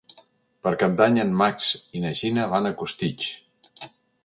Per Cap d'Any en Max i na Gina van a Costitx.